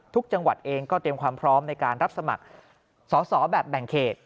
จังหวัดเองก็เตรียมความพร้อมในการรับสมัครสอสอแบบแบ่งเขต